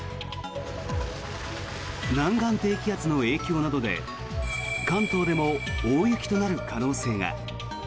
南岸低気圧の影響などで関東でも大雪となる可能性が。